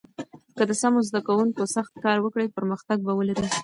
که د سمو زده کوونکو سخت کار وکړي، پرمختګ به ولري.